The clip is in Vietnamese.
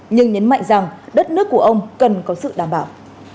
nhưng nhấn mạnh rằng đất nước của ông cần có sự đảm bảo